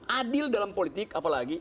adil dalam politik apalagi